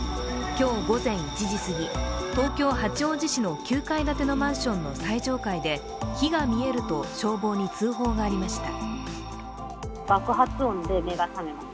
今日午前１時すぎ東京・八王子市の９階建てのマンションの最上階で火が見えると消防に通報がありました。